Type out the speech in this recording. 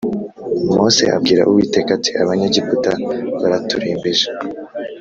Mose abwira Uwiteka ati Abanyegiputa baraturembeje